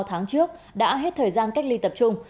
ba tháng trước đã hết thời gian cách ly tập trung